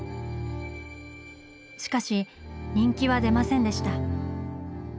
しかし人気は出ませんでした。